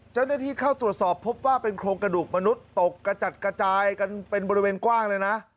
เจ้าหน้าที่เข้าตรวจสอบพบว่าเป็นโครงกระดูกมนุษย์ตกกระจัดกระจายกันเป็นบริเวณกว้างเลยนะ